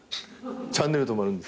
チャンネルとまるんですけど。